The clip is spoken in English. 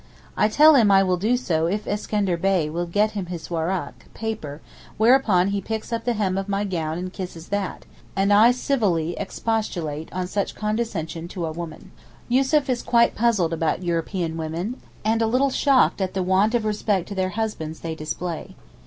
I tell him I will do so if Iskender Bey will get him his warak (paper), whereupon he picks up the hem of my gown and kisses that, and I civilly expostulate on such condescension to a woman. Yussuf is quite puzzled about European women, and a little shocked at the want of respect to their husbands they display.